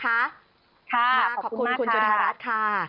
ค่ะขอบคุณคุณจุธรัฐค่ะขอบคุณมากค่ะ